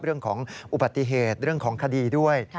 เรื่องของอุบัติเหตุเรื่องของคดีด้วย